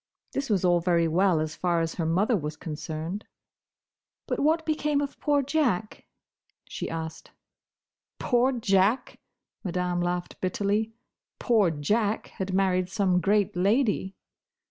This was all very well, as far as her mother was concerned. "But what became of poor Jack?" she asked. "Poor Jack!" Madame laughed bitterly. "Poor Jack had married some great lady!"